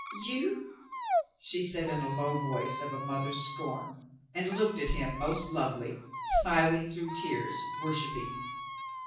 "You !" she said in a low voice of a mother's scorn, and looked at him most lovely, smiling through tears, worshipping.